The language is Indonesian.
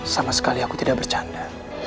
sama sekali aku tidak bercanda